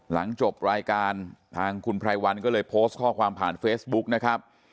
หลังจบรายการทางคุณไพรวันก็เลยโพสต์ข้อความผ่านเฟซบุ๊กนะครับ